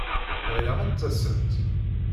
Ɣileɣ ad d-tasemt.